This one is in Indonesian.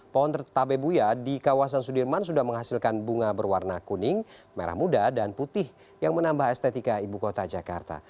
pohon tabebuya di kawasan sudirman sudah menghasilkan bunga berwarna kuning merah muda dan putih yang menambah estetika ibu kota jakarta